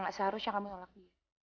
gak seharusnya kamu nolak dia